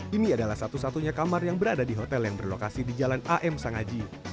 ini adalah satu satunya kamar yang berada di hotel yang berlokasi di jalan am sangaji